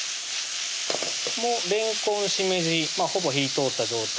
もうれんこん・しめじほぼ火ぃ通った状態